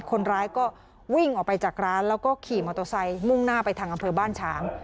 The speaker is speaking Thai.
คนร้ายก็วิ่งออกไปจากร้านแล้วก็ขี่มอเตอร์ไซค์มุ่งหน้าไปทางอำเภอบ้านฉาง